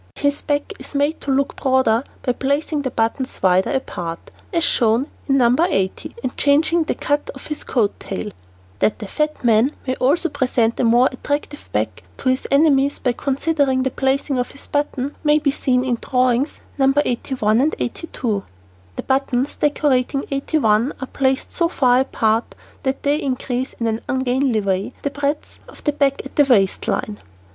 His back is made to look broader by placing the buttons wider apart, as shown in No. 80, and changing the cut of his coat tail. [Illustration: NO. 80] That the fat man may also present a more attractive back to his enemies by considering the placing of his buttons, may be seen in drawings Nos. 81 and 82. The buttons decorating No. 81 are placed so far apart that they increase in an ungainly way the breadth of the back at the waist line.